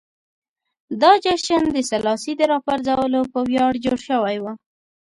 دا جشن د سلاسي د راپرځولو په ویاړ جوړ شوی و.